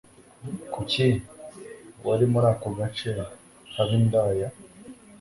Kuki wari muri ako gace haba indaya